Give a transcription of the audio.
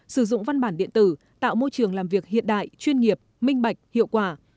sử dụng văn bản điện tử tạo môi trường làm việc hiện đại chuyên nghiệp minh bạch hiệu quả